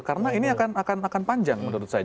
karena ini akan panjang menurut saya